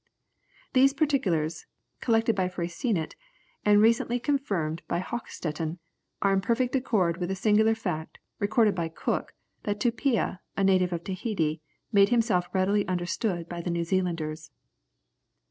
These particulars, collected by Freycinet, and recently confirmed by Hochsetten, are in perfect accord with the singular fact, recorded by Cook, that Tupia, a native of Tahiti, made himself readily understood by the New Zealanders.